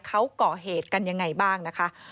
เขาก่อเหตุกันยังไงบ้างนะคะ